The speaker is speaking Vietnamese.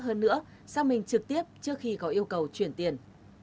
hơn nữa sang mình trực tiếp trước khi có yêu cầu chuyển tiền